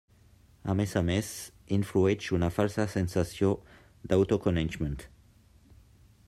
A més a més, influeix una falsa sensació d'autoconeixement.